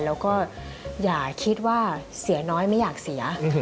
แล้วก็อย่าคิดว่าเสียน้อยไม่อยากเสีย